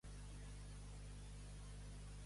Esmolet, tisora i ganivet, navalla i trempaplomes.